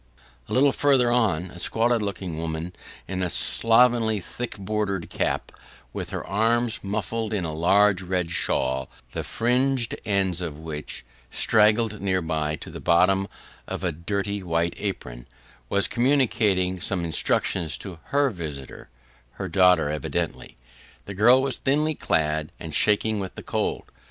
A little farther on, a squalid looking woman in a slovenly, thickbordered cap, with her arms muffled in a large red shawl, the fringed ends of which straggled nearly to the bottom of a dirty white apron, was communicating some instructions to HER visitor her daughter evidently. The girl was thinly clad, and shaking with the cold.